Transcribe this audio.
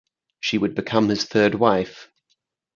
She would become his third wife.